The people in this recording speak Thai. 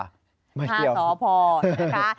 ๕สอดพอนะคะ